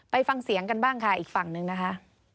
ฟังเสียงกันบ้างค่ะอีกฝั่งนึงนะคะ